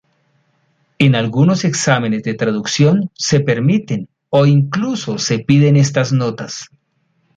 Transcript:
En algunos exámenes de traducción se permiten o incluso se piden estas notas.